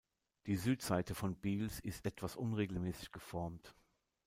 Die Südseite von Beals ist etwas unregelmäßig geformt.